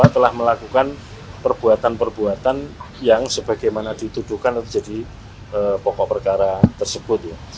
telah melakukan perbuatan perbuatan yang sebagaimana dituduhkan atau jadi pokok perkara tersebut